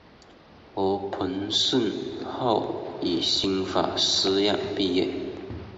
而彭顺后于新法书院毕业。